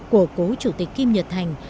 của cố chủ tịch kim nhật thành